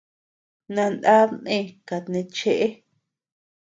Nanad në kat neʼe cheʼe.